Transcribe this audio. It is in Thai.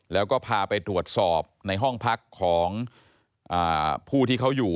แล้วก็พาไปตรวจสอบในห้องพักของผู้ที่เขาอยู่